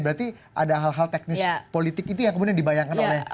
berarti ada hal hal teknis politik itu yang kemudian dibayangkan oleh